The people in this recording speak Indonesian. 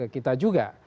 sampai ke kita juga